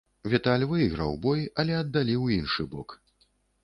Віталь выйграў бой, але аддалі ў іншы бок.